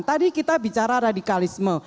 tadi kita bicara radikalisme